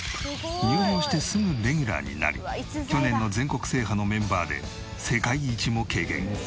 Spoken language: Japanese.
入寮してすぐレギュラーになり去年の全国制覇のメンバーで世界一も経験。